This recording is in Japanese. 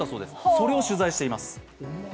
それを取材しています。